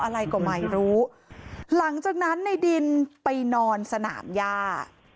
อะไรก็ไม่รู้หลังจากนั้นในดินไปนอนสนามย่า